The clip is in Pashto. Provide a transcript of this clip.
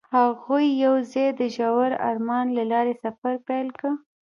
هغوی یوځای د ژور آرمان له لارې سفر پیل کړ.